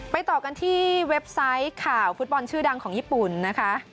ต่อกันที่เว็บไซต์ข่าวฟุตบอลชื่อดังของญี่ปุ่นนะคะ